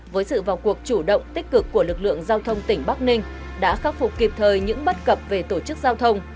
với sự vào cuộc chủ động tích cực của lực lượng giao thông tỉnh bắc ninh đã khắc phục kịp thời những bất cập về tổ chức giao thông